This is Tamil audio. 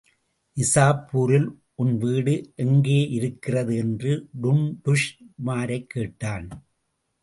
நிசாப்பூரில் உன் வீடு எங்கேயிருக்கிறது? என்று டுன்டுஷ் உமாரைக் கேட்டான்.